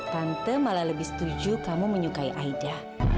tante malah lebih setuju kamu menyukai aida